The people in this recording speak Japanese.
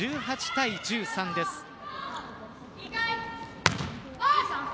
１８対１３です。